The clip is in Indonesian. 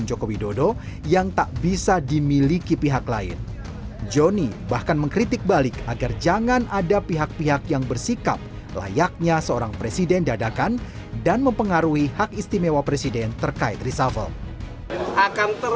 jokowi dodo tidak menampik akan berlaku reshuffle